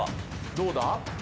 どうだ？